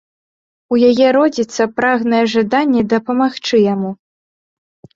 У яе родзіцца прагнае жаданне дапамагчы яму.